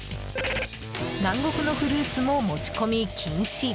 南国のフルーツも持ち込み禁止。